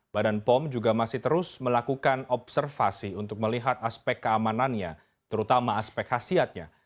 badan pom juga masih terus melakukan observasi untuk melihat aspek keamanannya terutama aspek khasiatnya